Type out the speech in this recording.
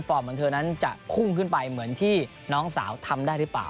เหมือนเธอนั้นจะพุ่งขึ้นไปเหมือนที่น้องสาวทำได้หรือเปล่า